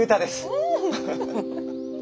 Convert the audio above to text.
うん。